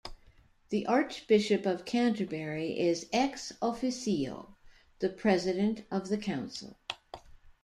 The Archbishop of Canterbury is "ex officio" the President of the Council.